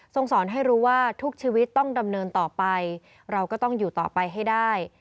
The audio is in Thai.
สอนให้รู้ว่าทุกชีวิตต้องดำเนินต่อไปเราก็ต้องอยู่ต่อไปให้ได้